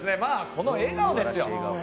この笑顔ですよ。